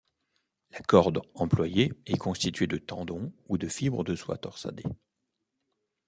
La corde employée est constituée de tendons ou de fibres de soie torsadés.